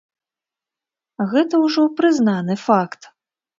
Гэта ўжо прызнаны факт.